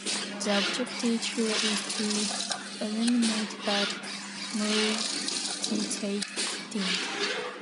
The objective here is to eliminate bad multitasking.